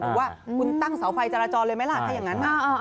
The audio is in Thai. ว่าคุณตั้งเสาไฟจราจรเลยไหมล่ะถ้าอย่างนั้น